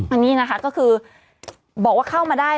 อันนี้นะคะก็คือบอกว่าเข้ามาได้